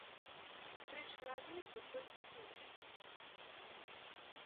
Тры чалавекі толькі меней.